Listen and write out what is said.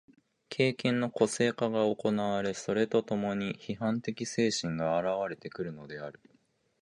経験の個性化が行われ、それと共に批判的精神が現われてくるのである。